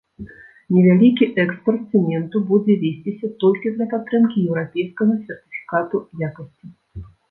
Невялікі экспарт цэменту будзе весціся толькі для падтрымкі еўрапейскага сертыфікату якасці.